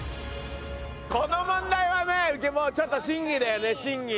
この問題はねもうちょっと審議だよね審議。